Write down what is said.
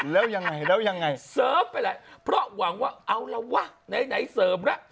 แล้วยังไงแล้วยังไงเสิร์ฟไปแล้วเพราะหวังว่าเอาละวะไหนเสริมแล้ว